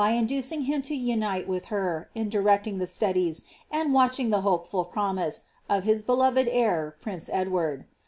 inducing him to unite with her, in directing the studies, and watchinf the hopeful promise, of his beloved heir, prince Edward.